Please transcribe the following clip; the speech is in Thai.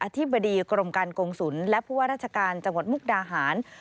ธิบดีกรมการกงศุลและผู้ว่าราชการจังหวัดมุกดาหาร